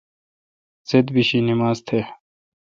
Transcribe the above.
زید بیشی نما ز تہ۔